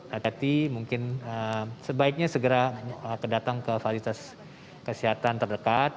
nanti mungkin sebaiknya segera kedatang ke validitas kesehatan terdekat